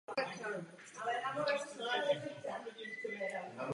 Musí také vytvořit nezávislé soudnictví a zabránit etnickým čistkám.